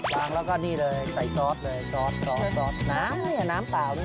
งแล้วก็นี่เลยใส่ซอสเลยซอสซอสน้ำเนี่ยน้ำเปล่านี่